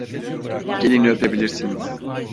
Gelini öpebilirsiniz.